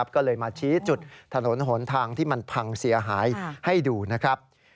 ก็เลยมาชี้จุดถนนหนทางที่มันพังเสียหายให้ดูนะครับ